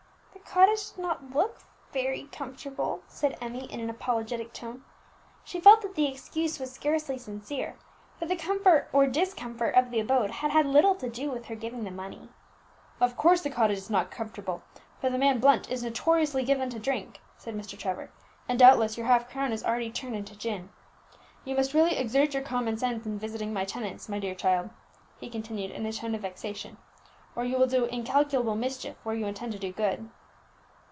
"The cottage did not look very comfortable," said Emmie in an apologetic tone. She felt that the excuse was scarcely sincere, for the comfort or discomfort of the abode had had little to do with her giving the money. "Of course the cottage is not comfortable, for the man Blunt is notoriously given to drinking," said Mr. Trevor, "and doubtless your half crown is already turned into gin. You must really exert your common sense in visiting my tenants, my dear child," he continued in a tone of vexation, "or you will do incalculable mischief where you intend to do good."